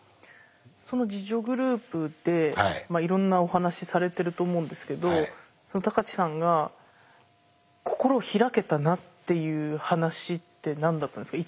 その自助グループでいろんなお話されてると思うんですけど高知さんが心を開けたなっていう話って何だったんですか？